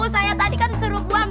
oh saya tadi kan suruh buang